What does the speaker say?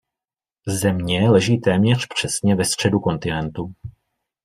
Země leží téměř přesně ve středu kontinentu.